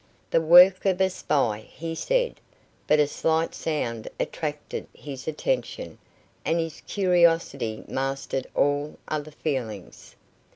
"The work of a spy," he said. But a slight sound attracted his attention, and his curiosity mastered all other feelings.